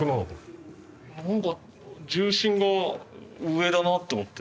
何か重心が上だなと思って。